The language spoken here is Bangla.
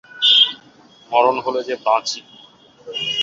মরণ হলে যে বাঁচি।